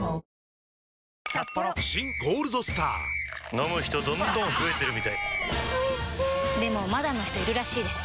飲む人どんどん増えてるみたいおいしでもまだの人いるらしいですよ